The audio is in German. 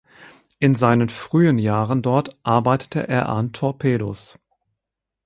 In seinen frühen Jahren dort arbeitete er an Torpedos.